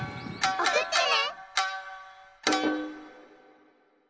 おくってね！